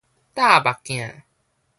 貼目鏡